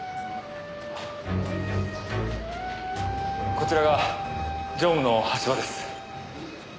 こちらが常務の橋場です。